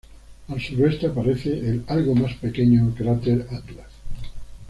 Al suroeste aparece el algo más pequeño cráter Atlas.